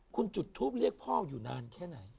คุณจุดทูปเรียกพ่ออยู่นานแค่ไหน